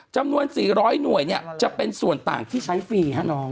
จำนวน๔๐๐หน่วยเนี่ยจะเป็นส่วนต่างที่ใช้ฟรีฮะน้อง